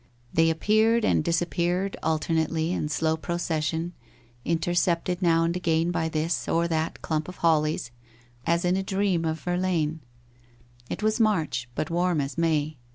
They appeared and disappeared alternately, in slow procession, intercepted now and again by this or that clump of hollies, as in a dream of Verlaine. It was March, but warm as May.